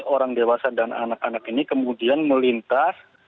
orang dewasa dan anak anak ini kemudian melintas